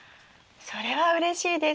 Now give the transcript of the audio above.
それはうれしいです。